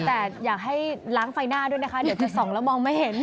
แต่อยากให้ล้างไฟหน้าด้วยนะคะเดี๋ยวจะส่องแล้วมองไม่เห็น